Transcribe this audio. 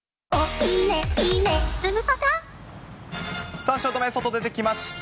さあ、汐留、外出てきました。